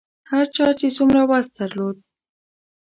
هر چا چې څومره وس درلود.